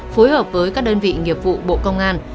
phối hợp với các đơn vị nghiệp vụ bộ công an